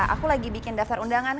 aku lagi bikin dasar undangan